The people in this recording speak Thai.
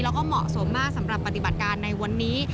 แล้วก็เหมาะสมมากสำหรับปฏิบัติการในวันนี้